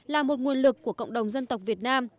là một nguồn lực của cộng đồng dân tộc việt nam